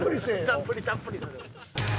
たっぷりたっぷりする。